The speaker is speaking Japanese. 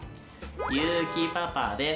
ゆうきパパです。